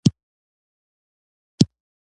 شیبه پس میرمن را ننوتله.